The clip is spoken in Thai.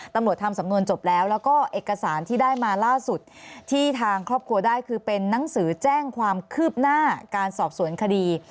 ตำรวจทำสำนวนจบแล้วแล้วก็เอกสารที่ได้มาล่าสุดที่ทางครอบครัวได้คือเป็นนังสือแจ้งความคืบหน้าการสอบสวนคดี